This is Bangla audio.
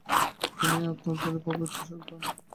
তিনি আত্মোন্নতির প্রভূত সুযোগ পান।